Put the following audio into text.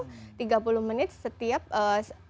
jadi lebih banyak lebih baik gitu